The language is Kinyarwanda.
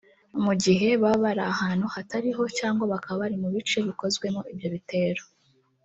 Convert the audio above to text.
mu gihe baba bari ahantu hatariho cyangwa bakaba bari mubice bikozwemo ibyo bitero